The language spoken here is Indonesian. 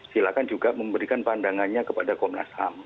silakan juga memberikan pandangannya kepada komnas ham